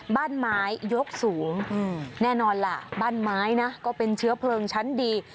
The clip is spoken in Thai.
บ้านไม้ยกสูงแน่นอนล่ะบ้านไม้นะก็เป็นเชื้อเพลิงชั้นดี